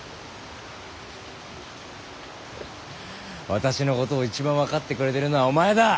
私のことを一番分かってくれてるのはお前だ